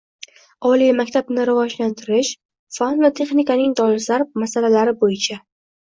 oliy maktabni rivojlantirish, fan va texnikaning dolzarb masalalari bo`yicha